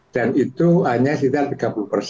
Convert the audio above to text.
dan itu hanya sekitar tiga puluh